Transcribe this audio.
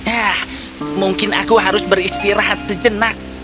ah mungkin aku harus beristirahat sejenak